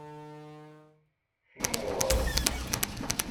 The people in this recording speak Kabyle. Timɣur.